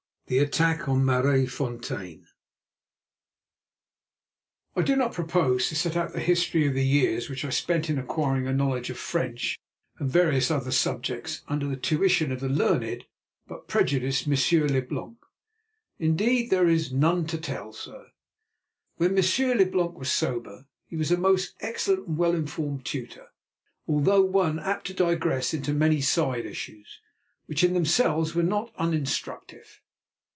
THE ATTACK ON MARAISFONTEIN I do not propose to set out the history of the years which I spent in acquiring a knowledge of French and various other subjects, under the tuition of the learned but prejudiced Monsieur Leblanc. Indeed, there is "none to tell, sir." When Monsieur Leblanc was sober, he was a most excellent and well informed tutor, although one apt to digress into many side issues, which in themselves were not uninstructive.